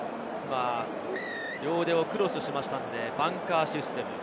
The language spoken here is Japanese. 両腕をクロスしましたので、バンカーシステム。